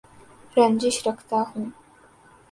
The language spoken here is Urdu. رنجش رکھتا ہوں